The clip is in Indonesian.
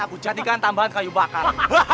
aku jadikan tambahan kayu bakar